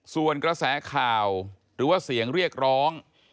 ส่วนกระแสข่าวหรือว่าเสียงเรียกร้อง